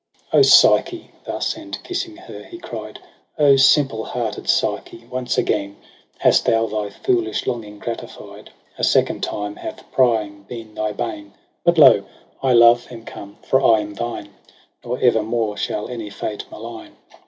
7 ' O Psyche,' thus, and kissing her he cried, ' O simple hearted Psyche, once again Hast thou thy foolish longing gratified, A second time hath prying been thy bane. But lo ! I, love, am come, for I am thine : Nor ever more shall any fate malign.